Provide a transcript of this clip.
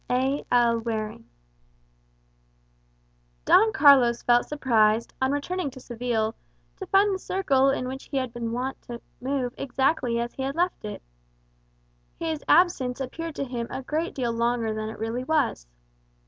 A. L. Waring Don Carlos felt surprised, on returning to Seville, to find the circle in which he had been wont to move exactly as he left it. His absence appeared to him a great deal longer than it really was.